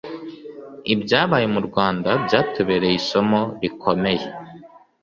Ibyabaye mu Rwanda byatubereye isomo rikomeye